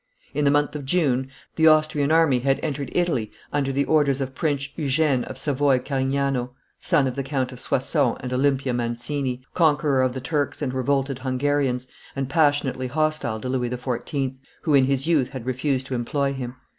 In the month of June the Austrian army had entered Italy under the orders of Prince Eugene of Savoy Carignano, son of the Count of Soissons and Olympia Mancini, conqueror of the Turks and revolted Hungarians, and passionately hostile to Louis XIV., who, in his youth, had refused to employ him.